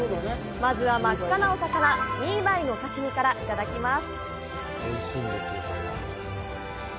まずは、真っ赤なお魚、ミーバイのお刺身からいただきます！